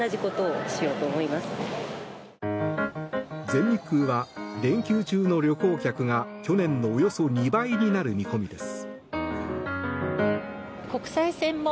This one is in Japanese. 全日空は連休中の旅行客が去年のおよそ２倍になる見込みです。